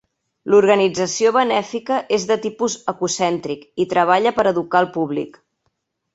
L'organització benèfica és de tipus ecocèntric i treballa per educar al públic.